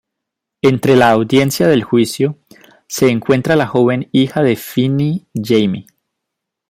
Entre la audiencia del juicio se encuentra la joven hija de Finney Jamie.